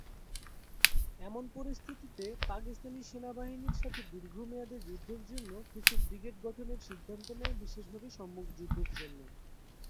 এমন পরিস্থিতিতে, পাকিস্তানি সেনাবাহিনীর সাথে দীর্ঘ মেয়াদে যুদ্ধের জন্যে কিছু ব্রিগেড গঠনের এর সিদ্ধান্ত নেয় বিশেষভাবে সম্মুখ যুদ্ধের জন্যে।